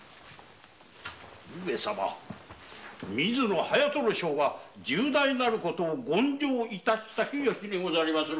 上様水野隼人正が重大なる事言上致したき由にございます。